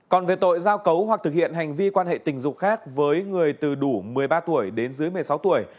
còn về tội giao cấu hoặc thực hiện hành vi quan hệ tình dục khác với người từ đủ một mươi ba tuổi đến dưới một mươi sáu tuổi